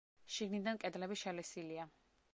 შიგნიდან კედლები შელესილია.